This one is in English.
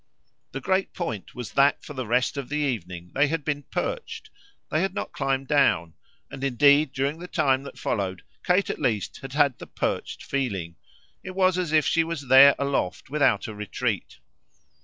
The great point was that for the rest of that evening they had been perched they had not climbed down; and indeed during the time that followed Kate at least had had the perched feeling it was as if she were there aloft without a retreat.